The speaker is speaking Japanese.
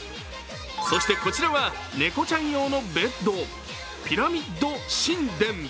そして、こちらは猫ちゃん用のベッド、ピラミッド寝殿。